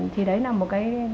thì đấy là một cái